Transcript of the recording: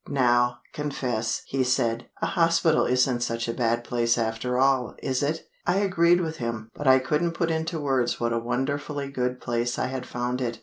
"Now confess," he said, "a hospital isn't such a bad place after all, is it?" I agreed with him; but I couldn't put into words what a wonderfully good place I had found it.